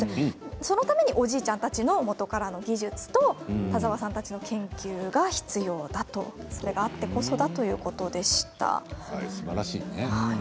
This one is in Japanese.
そのためにおじいちゃんたちのもとからの技術と田澤さんたちの研究が必要だとそれがあってこそだすばらしいね。